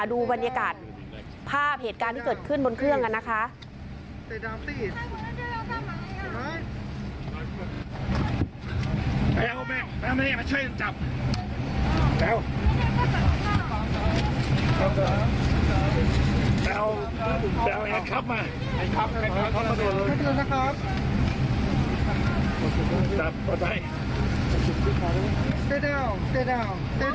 ดูบรรยากาศภาพเหตุการณ์ที่เกิดขึ้นบนเครื่องกันนะคะ